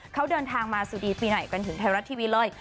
เขาเดินทางมาสุดีปีไหนกันถึงไทยรัฐทีวีเลย